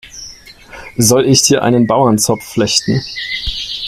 Soll ich dir einen Bauernzopf flechten?